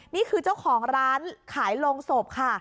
นี่คือเจ้าของร้านขายโรงศพค่ะ